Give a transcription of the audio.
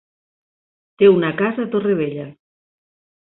Té una casa a Torrevella.